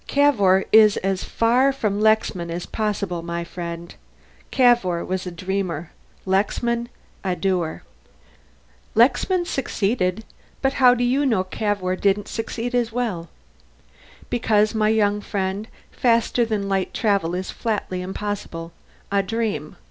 "Cavour is as far from Lexman as possible, my friend. Cavour was a dreamer; Lexman, a doer." "Lexman succeeded but how do you know Cavour didn't succeed as well?" "Because, my young friend, faster than light travel is flatly impossible. A dream.